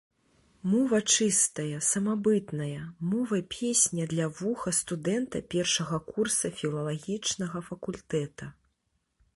Мова чыстая, самабытная, мова-песня для вуха студэнта першага курса філалагічнага факультэта.